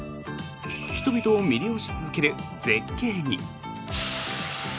人々を魅了し続ける絶景に。